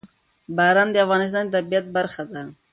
باران د افغانستان د طبیعت برخه ده.